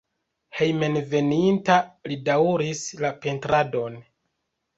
Hejmenveninta li daŭris la pentradon.